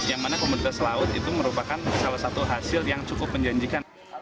yang mana komoditas laut itu merupakan salah satu hasil yang cukup menjanjikan